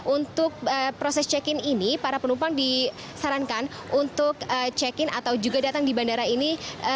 untuk proses check in ini para penumpang disarankan untuk check in atau juga datang di bandara ini